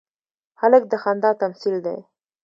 هلک د خندا تمثیل دی.